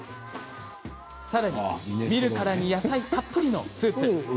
さらに見るからに野菜たっぷりのスープ。